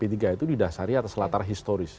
itu didasari atas latar historis